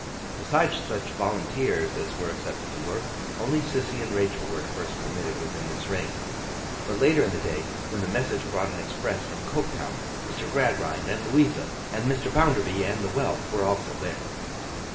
Besides such volunteers as were accepted to work, only Sissy and Rachael were at first permitted within this ring; but, later in the day, when the message brought an express from Coketown, Mr. Gradgrind and Louisa, and Mr. Bounderby, and the whelp, were also there.